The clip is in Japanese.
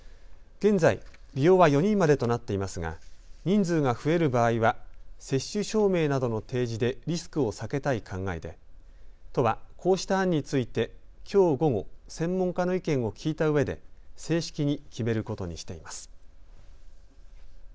現在、利用は４人までとなっていますが人数が増える場合は接種証明などの提示でリスクを避けたい考えで都はこうした案についてきょう午後、専門家の意見を聞いたうえで正式に決めることにしています。